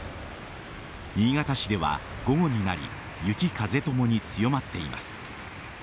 新潟市では午後になり雪、風ともに強まっています。